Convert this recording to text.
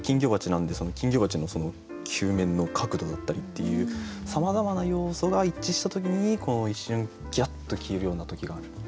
なんで金魚鉢の球面の角度だったりっていうさまざまな要素が一致した時に一瞬キラッと消えるような時がある。